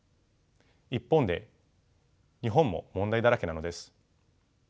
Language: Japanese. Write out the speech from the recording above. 一方で日本も問題だらけなのです。